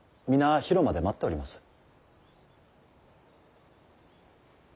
皆広間で待っております。